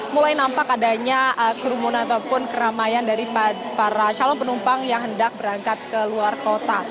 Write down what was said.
mulai nampak adanya kerumunan ataupun keramaian dari para calon penumpang yang hendak berangkat ke luar kota